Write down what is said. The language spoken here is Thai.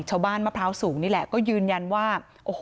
เช่าบ้านมะพร้าวสูงนี่แหละก็ยืนยันว่า